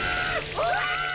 うわ。